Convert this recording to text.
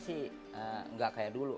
sekarang sih gak kayak dulu